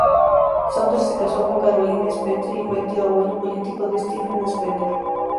Saunders se casó con Caroline Spender, y fue el tío-abuelo político de Stephen Spender.